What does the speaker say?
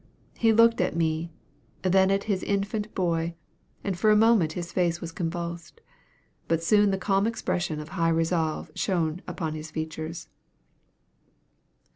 He looked at me then at his infant boy and for a moment his face was convulsed. But soon the calm expression of high resolve shone upon his features.